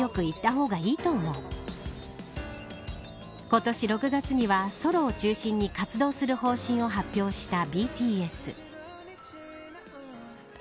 今年６月にはソロを中心に活動する方針を発表したＢＴＳ。